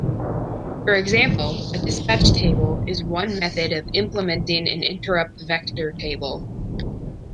For example, a dispatch table is one method of implementing an interrupt vector table.